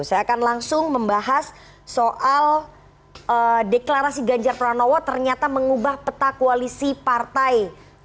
saya akan langsung membahas soal deklarasi ganjar pranowo ternyata mengubah peta koalisi partai dua ribu dua puluh empat